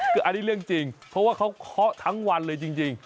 คืออันนี้เรื่องจริงเพราะว่าเขาเคาะทั้งวันเลยจริง